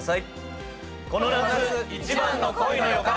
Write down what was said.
この夏一番の恋の予感。